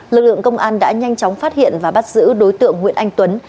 lực lượng công an đã nhanh chóng phát hiện và bắt giữ đối tượng nguyễn anh tuấn